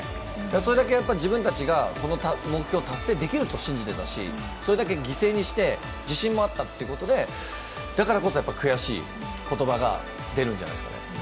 それだけ、自分たちがこの目標を達成できるって信じてたしそれだけ犠牲にして自信もあったってことで、だからこそやっぱり悔しい言葉が出るんじゃないですかね。